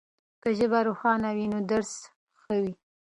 که ژبه روښانه وي نو درس ښه وي.